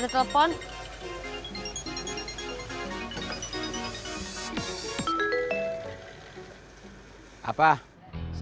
kamu mau beli